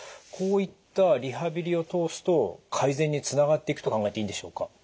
こういったリハビリを通すと改善につながっていくと考えていいんでしょうか？